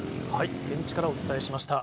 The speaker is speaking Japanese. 現地からお伝えしました。